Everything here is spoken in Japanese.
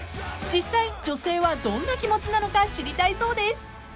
［実際女性はどんな気持ちなのか知りたいそうです］